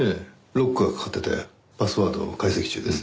ロックがかかっててパスワードを解析中です。